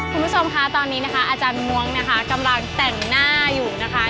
คุณผู้ชมค่ะตอนนี้นะคะอาจารย์ม้วงนะคะกำลังแต่งหน้าอยู่นะคะ